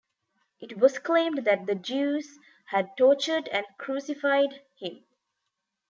It was claimed that the Jews had tortured and crucified him.